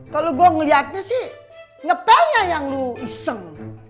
kalo gua ngeliatnya sih ngepelnya yang lu iseng